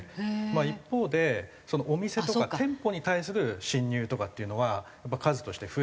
一方でお店とか店舗に対する侵入とかっていうのはやっぱ数として増えてる。